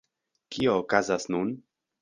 Kio okazas nun?